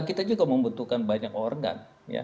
kita juga membutuhkan banyak organ